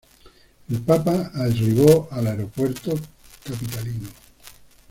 El papa arribó al aeropuerto Cap.